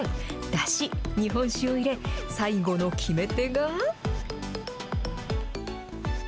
だし、日本酒を入れ、最後の決め手が。